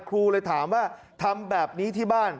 ครูเลยถามว่าทำแบบนี้ที่บ้าน